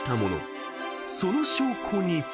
［その証拠に］